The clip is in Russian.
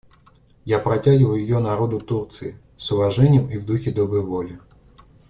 Я протягиваю ее народу Турции, с уважением и в духе доброй воли.